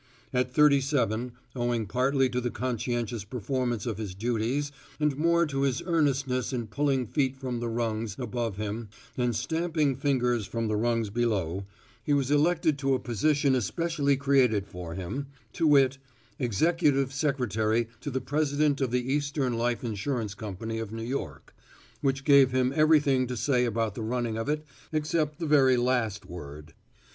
At thirty seven, owing partly to the conscientious performance of his duties and more to his earnestness in pulling feet from the rungs above him, and stamping fingers from the rungs below, he was elected to a position especially created for him, to wit, Executive Secretary to the President of The Eastern Life Insurance Company of New York, which gave him everything to say about the running of it except the very last word.